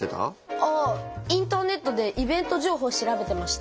あインターネットでイベント情報調べてました。